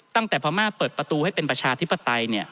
พม่าเปิดประตูให้เป็นประชาธิปไตย